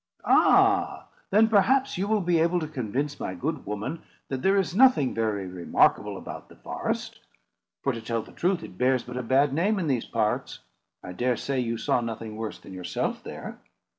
"Ah! then, perhaps, you will be able to convince my good woman, that there is nothing very remarkable about the forest; for, to tell the truth, it bears but a bad name in these parts. I dare say you saw nothing worse than yourself there?"